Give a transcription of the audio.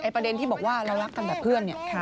ไอ้ประเด็นที่บอกว่าเรารักกันแบบเพื่อน